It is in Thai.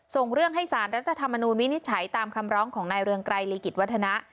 ส่งเรื่องให้สารรัฐธรรมนูญวินิจฉัยตามคำร้องของนายเรืองไกรลีกิจวัฒนะ